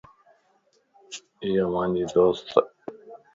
ايا مانجي دوست